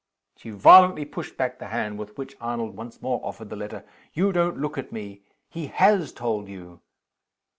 She violently pushed back the hand with which Arnold once more offered the letter. "You don't look at me! He has told you!"